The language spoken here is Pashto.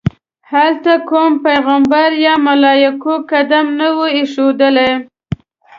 هلته کوم پیغمبر یا ملایکو قدم نه وي ایښودلی.